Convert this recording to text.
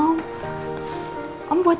ya ampun om